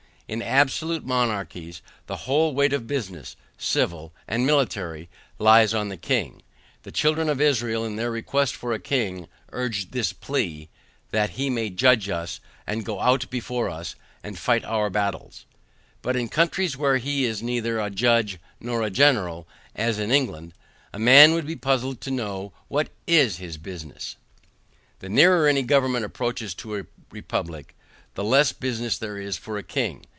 In absolute monarchies the whole weight of business, civil and military, lies on the king; the children of Israel in their request for a king, urged this plea "that he may judge us, and go out before us and fight our battles." But in countries where he is neither a judge nor a general, as in England, a man would be puzzled to know what IS his business. The nearer any government approaches to a republic the less business there is for a king.